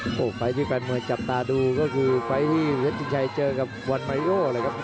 โอ้โหไฟล์ที่แฟนมวยจับตาดูก็คือไฟล์ที่เพชรชิงชัยเจอกับวันมายโยเลยครับ